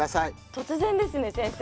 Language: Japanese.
突然ですね先生。